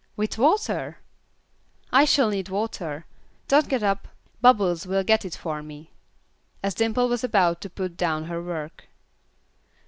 "With water?" "I shall need water. Don't get up Bubbles will get it for me," as Dimple was about to put down her work.